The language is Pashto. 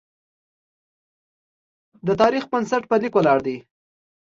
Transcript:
د تاریخ بنسټ په لیک ولاړ دی.